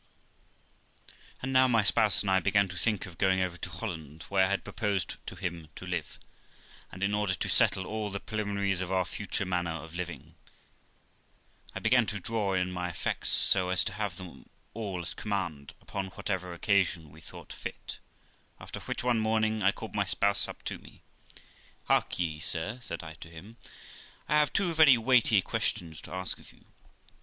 And now my spouse and I began to think of going over to Holland, where I had proposed to him to live, and in order to settle all the prelim inaries of our future manner of living, I began to draw in my effects, so as to have them all at command upon whatever occasion we thought fit; after which, one morning, I called my spouse up to me: 'Hark ye, sir', said 1 to him, 'I have two very weighty questions to ask of you.